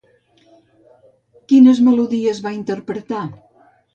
Quines melodies va interpretar?